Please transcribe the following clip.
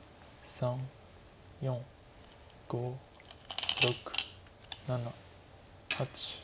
３４５６７８。